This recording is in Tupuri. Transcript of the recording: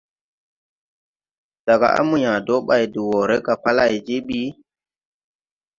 Daga à mo yãã dɔɔ bay de woʼré ga pa lay je ɓi.